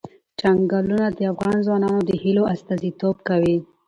چنګلونه د افغان ځوانانو د هیلو استازیتوب کوي.